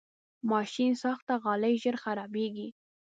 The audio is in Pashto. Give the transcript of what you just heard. ماشینساخته غالۍ ژر خرابېږي.